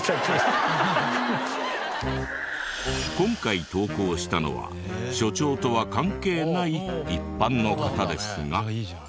今回投稿したのは所長とは関係ない一般の方ですが。